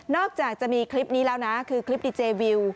อกจากจะมีคลิปนี้แล้วนะคือคลิปดีเจวิว